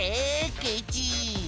ケチ！